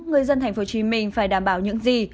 người dân tp hcm phải đảm bảo những gì